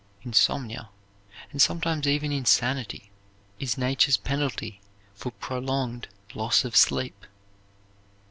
Insomnia, and sometimes even insanity, is Nature's penalty for prolonged loss of sleep.